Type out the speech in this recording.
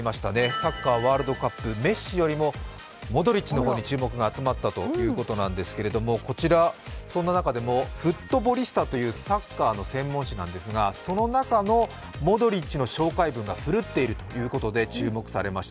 サッカーワールドカップ、メッシよりもモドリッチの方に注目が集まったということですけれども、こちらそんな中でも「ｆｏｏｔｂａｌｌｉｓｔａ」というサッカーの専門誌なんですがその中のモドリッチの紹介文がふるっているということで注目されました。